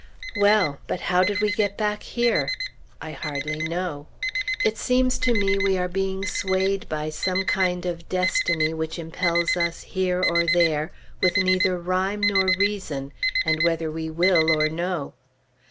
Well, but how did we get back here? I hardly know. It seems to me we are being swayed by some kind of destiny which impels us here or there, with neither rhyme nor reason, and whether we will or no.